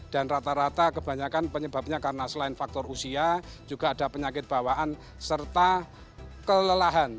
dan rata rata kebanyakan penyebabnya karena selain faktor usia juga ada penyakit bawaan serta kelelahan